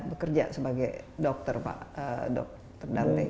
bekerja sebagai dokter pak dokter dante